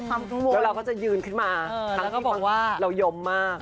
แล้วเราก็จะยืนขึ้นมาทั้งที่เรายมมาก